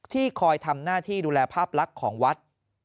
คอยทำหน้าที่ดูแลภาพลักษณ์ของวัด